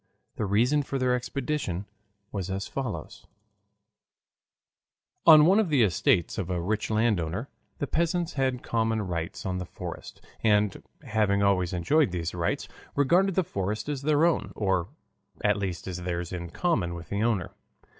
The reason for their expedition was as follows: On one of the estates of a rich landowner the peasants had common rights on the forest, and having always enjoyed these rights, regarded the forest as their own, or at least as theirs in common with the owner.